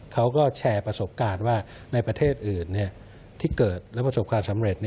เขาก็แชร์ประสบการณ์ว่าในประเทศอื่นที่เกิดและประสบความสำเร็จ